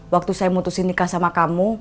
waktu saya mutusin nikah sama kamu